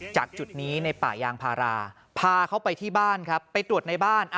จุดนี้ในป่ายางพาราพาเขาไปที่บ้านครับไปตรวจในบ้าน